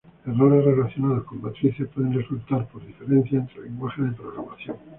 Errores relacionados con matrices pueden resultar por diferencias entre lenguajes de programación.